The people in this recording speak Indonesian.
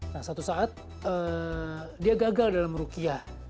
nah suatu saat dia gagal dalam merukiah